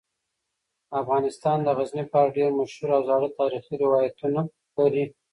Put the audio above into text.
افغانستان د غزني په اړه ډیر مشهور او زاړه تاریخی روایتونه لري.